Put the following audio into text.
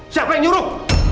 siapa yang nyuruh